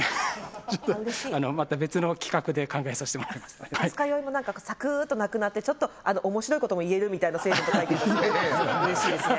ちょっとまた別の企画で考えさせてもらいます二日酔いもサクッとなくなってちょっと面白いことも言えるみたいな成分とか入ってるとすごいうれしいですね